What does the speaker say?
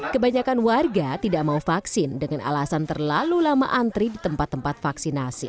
kebanyakan warga tidak mau vaksin dengan alasan terlalu lama antri di tempat tempat vaksinasi